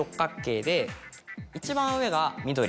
一番上が緑。